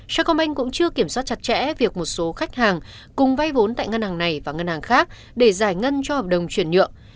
schcombank cũng chưa kiểm soát chặt chẽ việc một số khách hàng cùng vay vốn tại ngân hàng này và ngân hàng khác để giải ngân cho hợp đồng chuyển nhượng